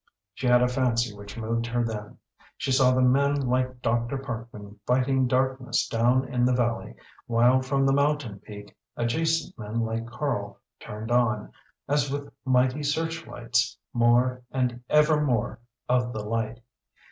She had a fancy which moved her then. She saw the men like Dr. Parkman fighting darkness down in the valley, while from the mountain peak adjacent men like Karl turned on, as with mighty search lights, more, and ever more, of the light.